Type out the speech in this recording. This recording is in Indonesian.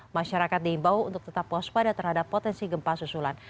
masyarakat diimbau untuk tetap waspada terhadap potensi gempa susulan